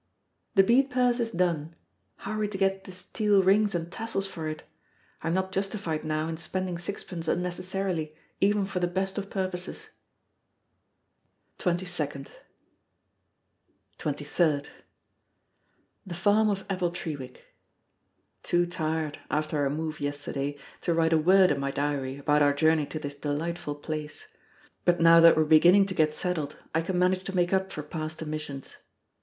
The bead purse is done. How are we to get the steel rings and tassels for it? I am not justified now in spending sixpence unnecessarily, even for the best of purposes. 22d. 23d. The Farm of Appletreewick. Too tired, after our move yesterday, to write a word in my diary about our journey to this delightful place. But now that we are beginning to get settled, I can manage to make up for past omissions.